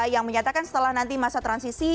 yang menyatakan setelah nanti masa transisi